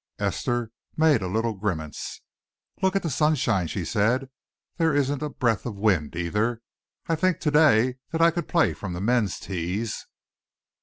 Esther made a little grimace. "Look at the sunshine," she said. "There isn't a breath of wind, either. I think to day that I could play from the men's tees."